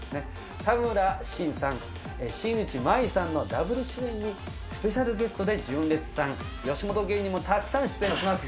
田村心さん、新内眞衣さんのダブル主演にスペシャルゲストで純烈さん、吉本芸人もたくさん出演します。